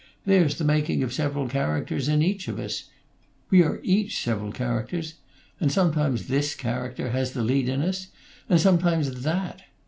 There's the making of several characters in each of us; we are each several characters, and sometimes this character has the lead in us, and sometimes that.